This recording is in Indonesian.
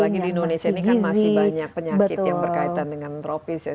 apalagi di indonesia ini kan masih banyak penyakit yang berkaitan dengan tropis ya